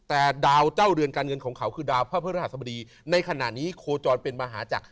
แต่ดาวเจ้าเรือนการเงินของเขาคือดาวพระพฤหัสบดีในขณะนี้โคจรเป็นมหาจักร